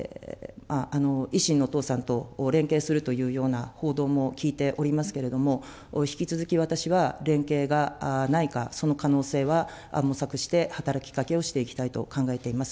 維新の党さんと連携するというような報道も聞いておりますけれども、引き続き私は連携がないか、その可能性は模索して働きかけをしていきたいと考えております。